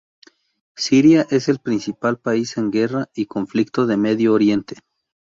Siria es el principal país en guerra y conflicto de Medio Oriente.